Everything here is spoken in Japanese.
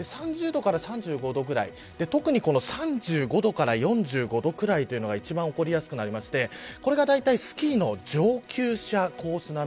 ３０度から３５度ぐらい特に３５度から４５度くらいというのが一番起こりやすくなりましてこれが大体スキーの上級者コース